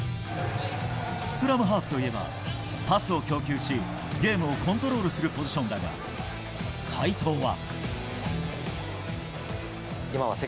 スクラムハーフといえばパスを供給しゲームをコントロールするポジションだが、齋藤は。